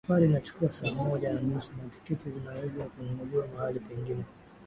Safari inachukua saa moja na nusu na tiketi zinaweza kununuliwa mahali pengine